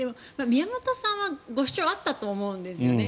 宮本さんはご主張があったと思うんですね。